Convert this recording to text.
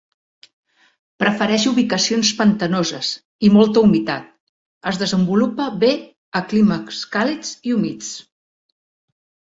Prefereix ubicacions pantanoses i molta humitat; es desenvolupa bé a climes càlids i humits.